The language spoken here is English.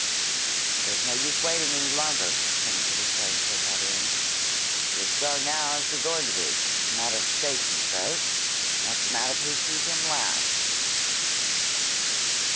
"There's no use waiting any longer," the Senator was saying as they got in. "We're as strong now as we're going to be. It's a matter of Stacy's vote, and that's a matter of who sees him last."